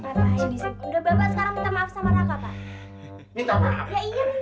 sudah bapak sekarang minta maaf sama raka pak